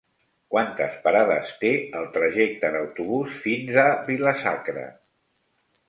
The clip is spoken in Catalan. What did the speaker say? Quantes parades té el trajecte en autobús fins a Vila-sacra?